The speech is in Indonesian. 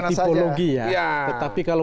tipologi ya tetapi kalau